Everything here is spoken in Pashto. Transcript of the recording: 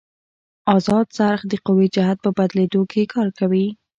ازاد څرخ د قوې جهت په بدلېدو کې کار کوي.